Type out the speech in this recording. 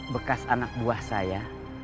bekas anak buah saya